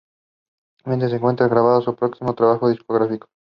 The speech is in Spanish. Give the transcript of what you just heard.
Actualmente se encuentran grabando su próximo trabajo discográfico.